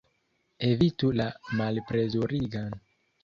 Evitu la malplezurigan!